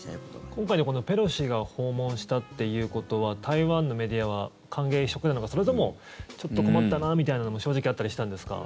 今回、ペロシが訪問したっていうことは台湾のメディアは歓迎一色なのかそれともちょっと困ったなみたいなのも正直あったりしたんですか？